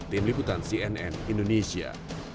tim liputan cnn indonesia